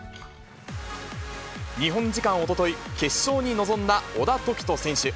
日本時間おととい、決勝に臨んだ小田凱人選手。